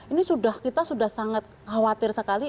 ini sudah kita sudah sangat khawatir sekali